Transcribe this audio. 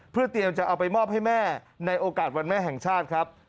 เพื่อเตรียมจะเอาไปมอบให้แม่ในโอกาสวันแม่แห่งชาติครับ